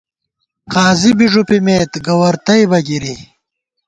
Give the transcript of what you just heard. قاضی بی ݫُوپِمېت ، گوَر تئیبہ گِری